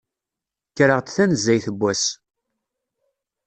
Kkreɣ-d tanzayt n wass.